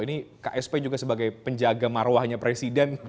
ini ksp juga sebagai penjaga marwahnya presiden